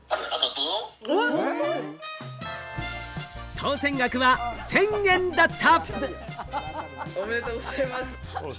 当せん額は１０００円だった！